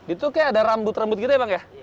itu kayak ada rambut rambut gitu ya bang ya